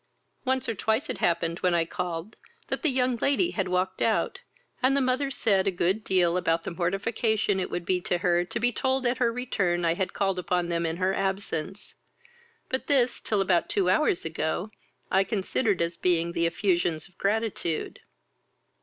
Once or twice it happened when I called, that the young lady had walked out, and the mother said a good deal about the mortification it would be to her to be told at her return I had called upon them in her absence; but this, till about two hours ago, I considered as being the effusions of gratitude.